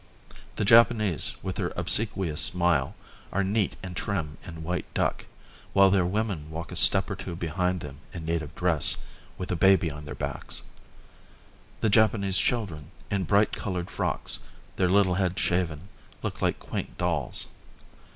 The Japanese, with their obsequious smile, are neat and trim in white duck, while their women walk a step or two behind them, in native dress, with a baby on their backs. The Japanese children, in bright coloured frocks, their little heads shaven, look like quaint dolls.